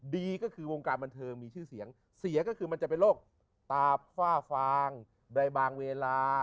ดีก็คือวงการบันเทิงมีชื่อเสียงเสียก็คือมันจะเป็นโรคตาฝ้าฟางใดบางเวลา